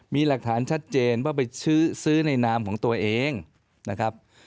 มีหลักฐานชัดเจนว่าไปซื้อในนามของตัวเองนะครับ